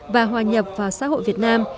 và hòa nhập vào xã hội việt nam